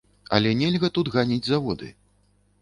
Але нельга тут ганіць заводы.